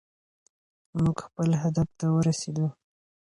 موږ خپل هدف ته ورسېدو.